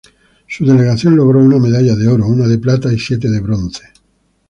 Su delegación logró una medalla de oro, una de plata y siete de bronce.